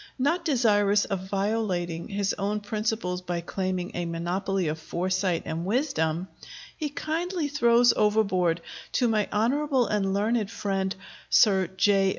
Not desirous of violating his own principles by claiming a monopoly of fore sight and wisdom, he kindly throws overboard to my honorable and learned friend [Sir J.